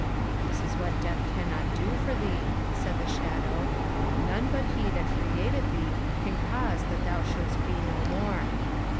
That is what death cannot do for thee, said the shadow; none but he that created thee can cause that thou shouldst be no more.